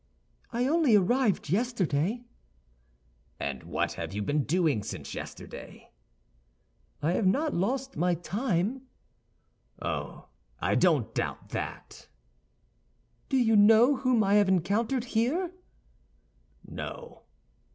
"I only arrived yesterday." "And what have you been doing since yesterday?" "I have not lost my time." "Oh, I don't doubt that." "Do you know whom I have encountered here?" "No."